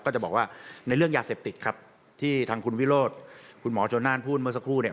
ก็จะบอกว่าในเรื่องยาเสพติดครับที่ทางคุณวิโรธคุณหมอโจนน่านพูดเมื่อสักครู่เนี่ย